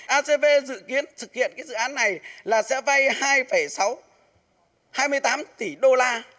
acv dự kiến thực hiện dự án này là sẽ vay hai sáu trăm hai mươi tám tỷ đô la